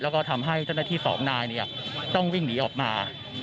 แล้วก็ทำให้เจ้าหน้าที่สองนายต้องวิ่งหนีออกมา